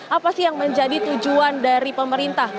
apa sih yang menjadi tujuan dari pemerintah